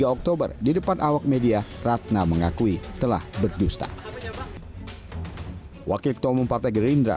tiga oktober di depan awak media ratna mengakui telah berdusta wakil ketua umum partai gerindra